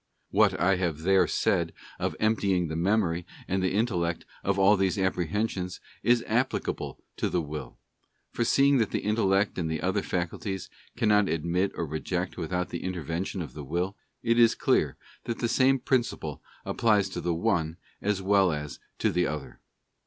What I have there said of emptying the Memory and the Intellect of all these apprehensions is applicable to the Will; for seeing that the intellect and the other faculties cannot admit or reject without the intervention of the will, it is clear that the same principle applies to the one as well as to the other.